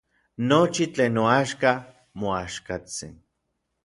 Nochi tlen noaxka moaxkatsin.